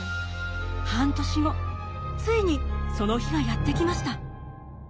半年後ついにその日がやって来ました。